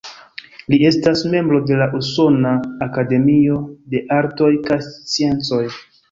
Li estas membro de la Usona Akademio de Artoj kaj Sciencoj.